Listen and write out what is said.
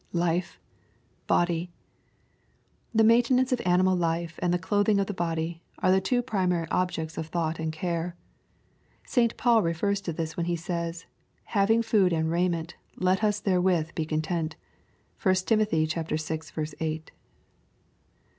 [Li/e...body.'] The maintenance of animal life and the clothing of the body, are the two primary objects of thought and care. St. Paul refers to this when he says, " Having food and raiment, let us be therewith content." (1 Tim. vi. 8.) "^.S.